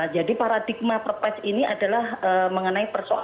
jadi paradigma perpes ini adalah mengenai persoalan